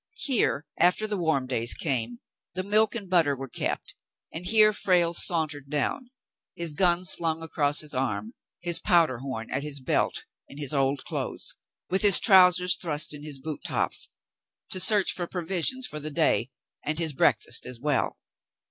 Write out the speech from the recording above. Here, after the warm days came, the milk and butter were kept, and here Frale sauntered down — his gun slung across his arm, his powder horn at his belt, in his old clothes — with his trousers thrust in his boot tops — to search for pro\'isions for the day and his breakfast as well.